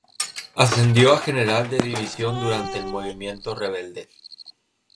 Ascendió a general de división durante el movimiento rebelde.